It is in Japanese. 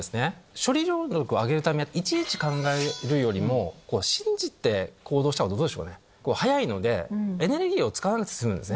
処理能力を上げるためいちいち考えるよりも信じて行動しちゃうと早いのでエネルギーを使わなくて済むんですね。